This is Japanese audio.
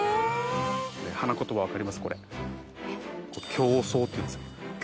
「強壮」っていうんですよ。